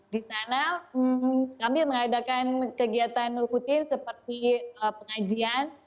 di sana kami mengadakan kegiatan seperti pengajian